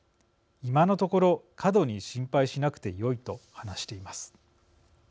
今のところ、過度に心配しなくてよい」と話しています。